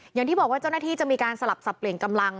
อย่างที่บอกว่าเจ้าหน้าที่จะมีการสลับสับเปลี่ยนกำลัง